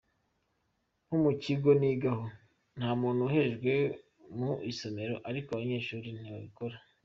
Nko mu kigo nigaho, nta muntu uhejwe mu isomero ariko abanyeshuri ntibabikora.